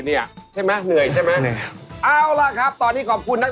ดีมากดีมาก